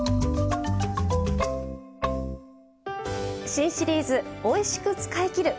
新シリーズ「おいしく使いきる！